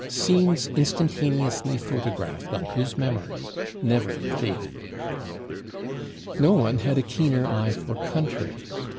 Scenes instantaneously photographed on his memory never faded. No one had a keener eye for country.